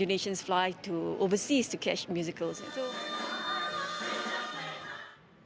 dan seperti yang kita tahu banyak orang indonesia yang berangkat ke luar negara untuk menemukan musikal